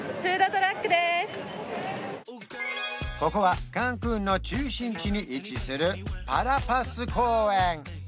ここはカンクンの中心地に位置するパラパス公園